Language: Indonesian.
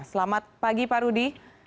selamat pagi pak rudy